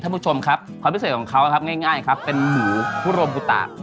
ท่านผู้ชมครับความพิเศษของเขาครับง่ายครับเป็นหมูคุโรบุตะ